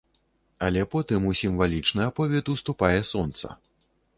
Але потым у сімвалічны аповед уступае сонца.